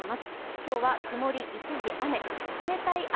今日は、曇り一時雨。